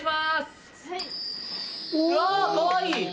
うわかわいい！